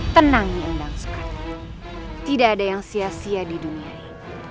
tenang nyi endang sukerti tidak ada yang sia sia di dunia ini